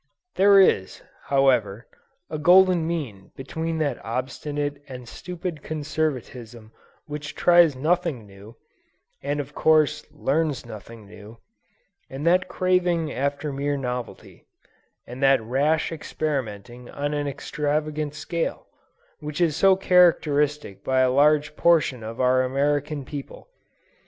There is, however, a golden mean between that obstinate and stupid conservatism which tries nothing new, and, of course, learns nothing new, and that craving after mere novelty, and that rash experimenting on an extravagant scale, which is so characteristic of a large portion of our American people.